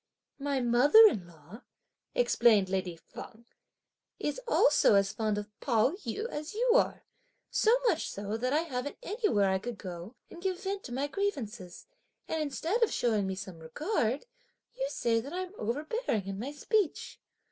"My mother in law," explained lady Feng, "is also as fond of Pao yü as you are, so much so that I haven't anywhere I could go and give vent to my grievances; and instead of (showing me some regard) you say that I'm overbearing in my speech!"